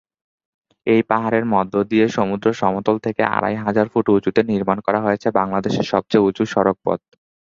এই পাহাড়ের মধ্যে দিয়ে সমুদ্র সমতল থেকে আড়াই হাজার ফুট উঁচুতে নির্মাণ করা হয়েছে বাংলাদেশের সবচেয়ে উঁচু সড়কপথ।